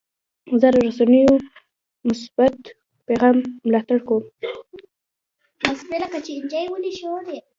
زه د رسنیو د مثبت پیغام ملاتړ کوم.